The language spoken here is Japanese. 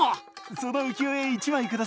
その浮世絵１枚下さい。